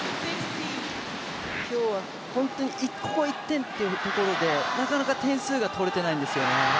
今日は本当にこの１点というところで、なかなか点数が取れていないんですよね。